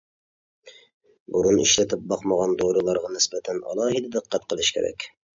بۇرۇن ئىشلىتىپ باقمىغان دورىلارغا نىسبەتەن ئالاھىدە دىققەت قىلىش كېرەك.